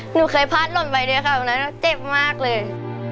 หนูเคยพัดหล่นไปด้วยค่ะตรงนั้นเจ็บมากเลย